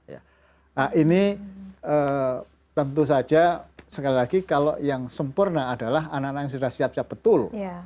nah ini tentu saja sekali lagi kalau yang sempurna adalah anak anak yang sudah siap siap betul